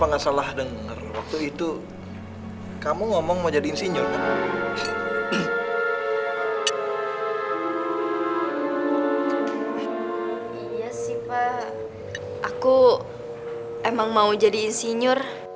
aku emang mau jadi insinyur